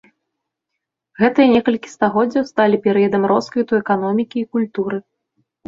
Гэтыя некалькі стагоддзяў сталі перыядам росквіту эканомікі і культуры.